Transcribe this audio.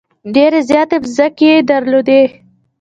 ډېرې زیاتې مځکې یې درلودلې.